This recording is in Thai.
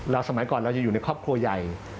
สมัยก่อนเราจะอยู่ในครอบครัวใหญ่